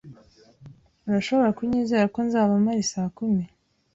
Urashobora kunyizera ko nzaba mpari saa kumi.